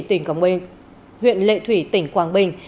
tỉnh quảng bình